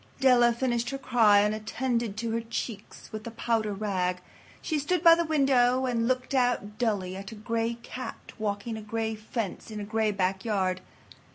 Della finished her cry and attended to her cheeks with the powder rag. She stood by the window and looked out dully at a gray cat walking a gray fence in a gray backyard.